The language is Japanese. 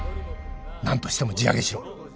なんとしても地上げしろ。